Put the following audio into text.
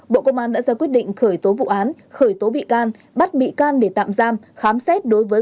bộ công an đã ra quyết định khởi tố vụ án khởi tố bị can bắt bị can để tạm giam khám xét đối với